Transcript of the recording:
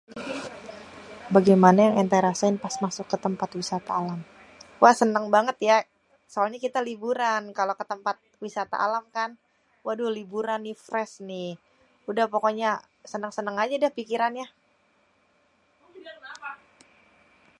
"""Bagaimané yang enté rasain pas masuk ke tempat wisata alam?"", wah seneng banget ya soalnya kita liburan kalo ke tempat wisata alam kan, waduh liburan nih fresh nih, udah pokoknya seneng-seneng aja dah pikirannya."